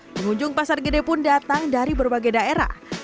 pengunjung pasar gede pun datang dari berbagai daerah